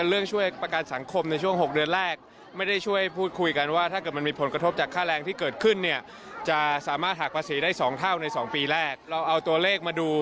เราเอาตัวเลขมาดู